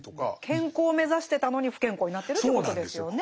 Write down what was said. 健康を目指してたのに不健康になってるっていうことですよね。